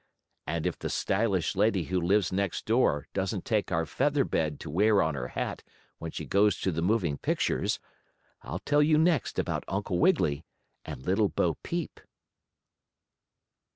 And if the stylish lady who lives next door doesn't take our feather bed to wear on her hat when she goes to the moving pictures, I'll tell you next about Uncle Wiggily and Little Bo Peep.